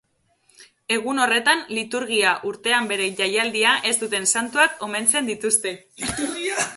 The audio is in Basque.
Egun horretan liturgia-urtean bere jaialdia ez duten santuak omentzen dituzte.